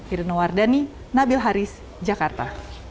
ireno wardani nabil haris jakarta